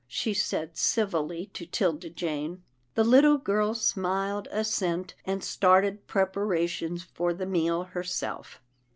" she said civilly to 'Tilda Jane. The little girl smiled assent, and started prepara tions for the meal herself.